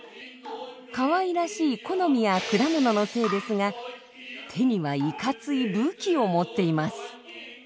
かわいらしい木の実や果物の精ですが手にはいかつい武器を持っています。